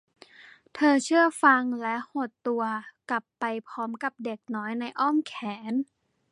เธอเชื่อฟังและหดตตัวกลับไปพร้อมกับเด็กน้อยในอ้อมแขน